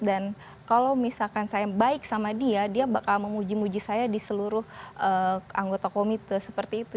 dan kalau misalkan saya baik sama dia dia bakal memuji muji saya di seluruh anggota komite seperti itu